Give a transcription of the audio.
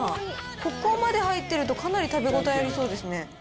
ここまで入っているとかなり食べ応えありそうですね。